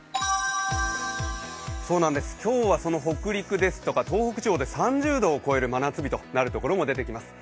そうなんです、今日はその北陸ですとか東北地方で３０度を超える真夏日となるところも出てきます。